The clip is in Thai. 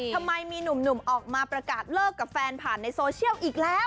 ทำไมมีหนุ่มออกมาประกาศเลิกกับแฟนผ่านในโซเชียลอีกแล้ว